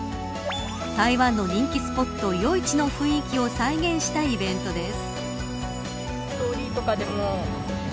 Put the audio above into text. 台湾の人気スポット夜市の雰囲気を再現したイベントです。